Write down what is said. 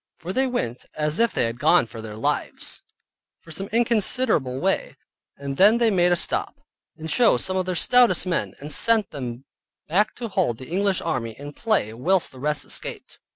For they went as if they had gone for their lives, for some considerable way, and then they made a stop, and chose some of their stoutest men, and sent them back to hold the English army in play whilst the rest escaped.